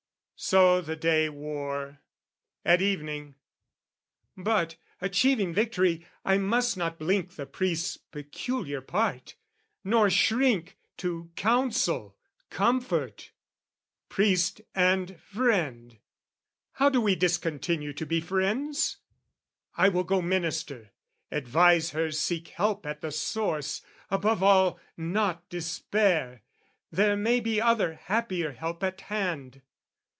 So the day wore. At evening "But, achieving victory, "I must not blink the priest's peculiar part, "Nor shrink to counsel, comfort: priest and friend "How do we discontinue to be friends? "I will go minister, advise her seek "Help at the source, above all, not despair: "There may be other happier help at hand.